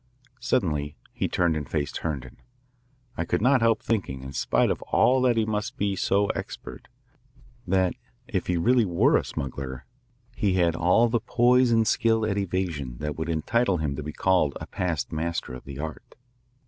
Suddenly he turned and faced Herndon. I could not help thinking, in spite of all that he must be so expert, that, if he really were a smuggler, he had all the poise and skill at evasion that would entitle him to be called a past master of the art.